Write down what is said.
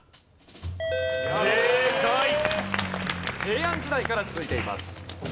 平安時代から続いています。